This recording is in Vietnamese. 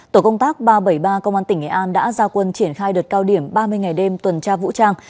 tổ công tác ba trăm bảy mươi ba công an tỉnh nghệ an đã ra quân triển khai đợt cao điểm ba mươi ngày đêm tuần tra vũ trang